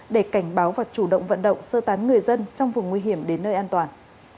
để cảnh báo và chủ động vận động sơ tán người dân trong vùng nguy hiểm đến nơi an toàn